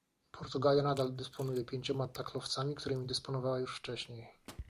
Portugalia nadal dysponuje pięcioma taklowcami, którymi dysponowała już wcześniej